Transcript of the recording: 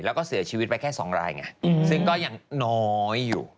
แล้วก็เสียชีวิตไปแค่๒รายไงซึ่งก็ยังน้อยอยู่